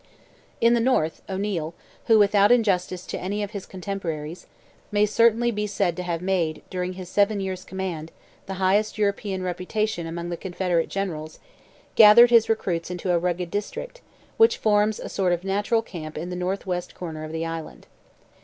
In the North, O'Neil, who, without injustice to any of his contemporaries, may certainly be said to have made, during his seven years' command, the highest European reputation among the Confederate generals, gathered his recruits into a rugged district, which forms a sort of natural camp in the north west corner of the island.